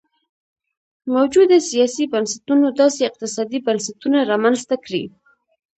موجوده سیاسي بنسټونو داسې اقتصادي بنسټونه رامنځته کړي.